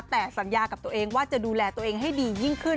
แต่สัญญากับตัวเองว่าจะดูแลตัวเองให้ดียิ่งขึ้น